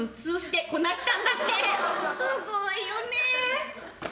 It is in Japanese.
すごいよね。